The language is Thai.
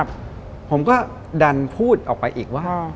ผมก็ดันพูดออกไปอีกว่า